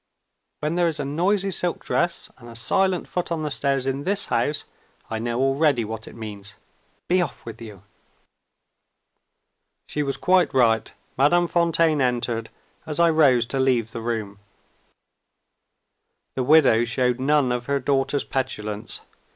When there is a noisy silk dress and a silent foot on the stairs, in this house, I know already what it means. Be off with you!" She was quite right. Madame Fontaine entered, as I rose to leave the room. The widow showed none of her daughter's petulance.